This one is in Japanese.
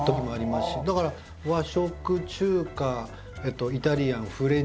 だから和食中華イタリアンフレンチ